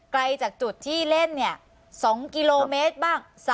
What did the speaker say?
ไกลจากจุดที่เล่น๒กิโลเมตรบ้าง